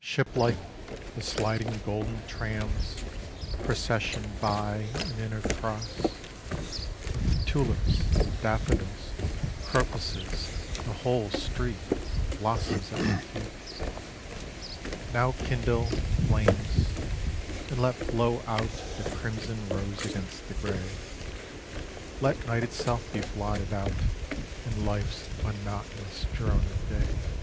Shiplike the sliding golden trams Procession by and intercross: With tulips, daffodils, crocuses The whole street blossoms at my feet: Now kindle, flames, and let blow out The crimson rose against the grey, Let night itself be blotted out In life's monotonous drone of day.